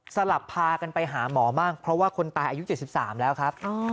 หลับพากันไปหาหมอบ้างเพราะว่าคนตายอายุ๗๓แล้วครับ